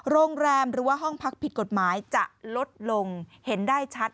โรงแรมหรือว่าห้องพักผิดกฎหมายจะลดลงเห็นได้ชัด